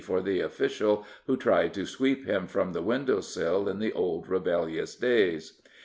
for the official who tried to sweep him from the window sill in the old rebellious days.